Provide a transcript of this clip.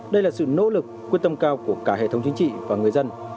đây là sự nỗ lực quyết tâm cao của cả hệ thống chính trị và người dân